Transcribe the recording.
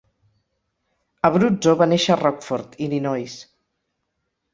Abruzzo va néixer a Rockford, Illinois.